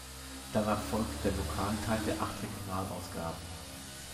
Danach folgt der Lokalteil der acht Regionalausgaben.